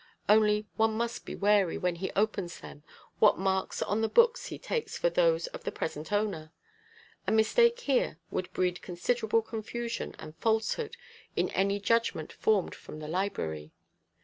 Only, one must be wary, when he opens them, what marks on the books he takes for those of the present owner. A mistake here would breed considerable confusion and falsehood in any judgment formed from the library.